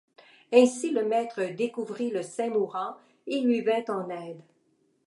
Ainsi le maître découvrit le saint mourant et lui vint en aide.